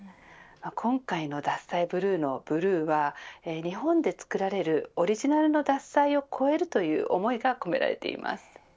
今回、この獺祭ブルーのブルーは日本で造られるオリジナルの獺祭を超えるという思いが込められています。